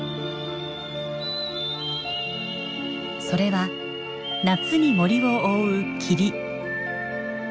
それは夏に森を覆う霧。